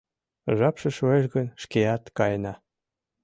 Жапше шуэш гын, шкеат каена